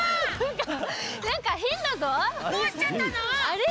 あれ？